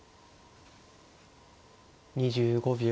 ２５秒。